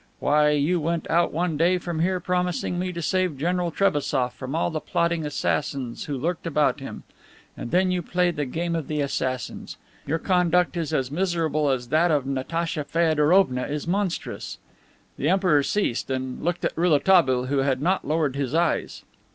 Why, you went out one day from here promising me to save General Trebassof from all the plotting assassins who lurked about him. And then you play the game of the assassins! Your conduct is as miserable as that of Natacha Feodorovna is monstrous!" The Emperor ceased, and looked at Rouletabille, who had not lowered his eyes.